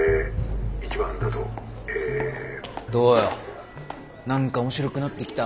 どうよ何か面白くなってきた？